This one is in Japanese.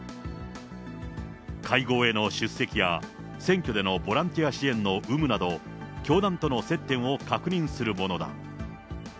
会合への出席や選挙でのボランティア支援の有無など、教団との接点を確認するものだ。